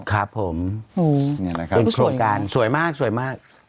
ครับผมสวยมาก